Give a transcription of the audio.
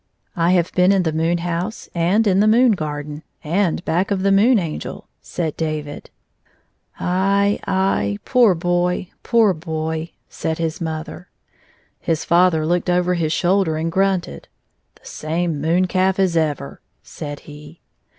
" I have been in the moon house and in the moon garden, and back of the Moon Angel," said David. ^75 '* Aye, aye ; poor boy, poor boy !" said his mother. His father looked over his shoulder and grunted. " The same moon calf as ever," said he.